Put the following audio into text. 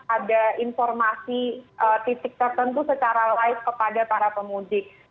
ada informasi titik tertentu secara live kepada para pemudik